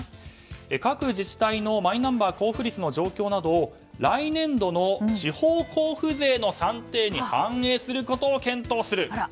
各自治体のマイナンバー交付率の状況などを来年度の地方交付税の算定に反映することを検討する。